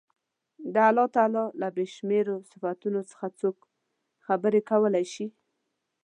د الله تعالی له بې شمېرو صفتونو څخه څوک خبرې کولای شي.